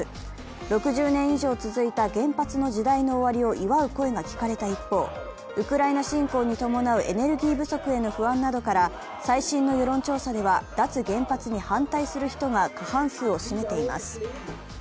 ６０年以上続いた原発の時代の終わりを祝う声が聞かれた一方、ウクライナ侵攻に伴うエネルギー不足への不安などから最新の世論調査では脱原発に反対する人が過半数を占めています。